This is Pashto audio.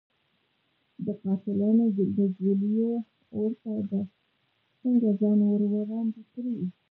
د قاتلانو د ګولیو اور ته به څنګه ځان ور وړاندې کړي.